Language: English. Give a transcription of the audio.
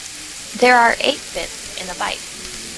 There are eight bits in a byte.